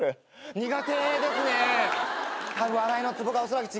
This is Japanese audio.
苦手ですね。